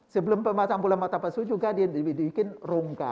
sebelum pematang bola mata palsu juga dibuat rongga